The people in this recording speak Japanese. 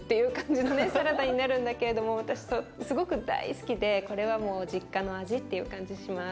サラダになるんだけれども私すごく大好きでこれはもう実家の味っていう感じします。